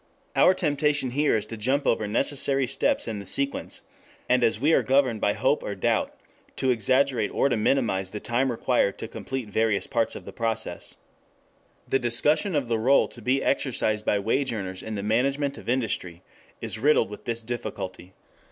Our temptation here is to jump over necessary steps in the sequence; and as we are governed by hope or doubt, to exaggerate or to minimize the time required to complete various parts of a process. The discussion of the role to be exercised by wage earners in the management of industry is riddled with this difficulty.